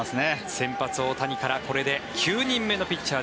先発、大谷からこれで９人目のピッチャー。